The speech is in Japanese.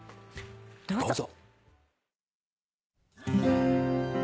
どうぞ。